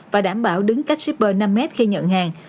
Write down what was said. và đảm bảo đứng cách shipper năm m khi nhận hàng